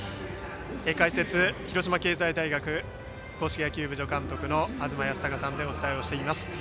解説、広島経済大学硬式野球部助監督の東賢孝さんでお伝えしています。